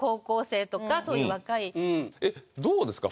どうですか？